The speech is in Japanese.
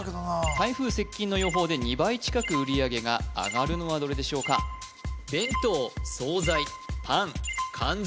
台風接近の予報で２倍近く売り上げが上がるのはどれでしょうか弁当惣菜パン缶詰